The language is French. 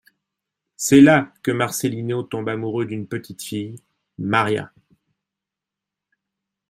C'est là que Marcelino tombe amoureux d'une petite fille, Maria.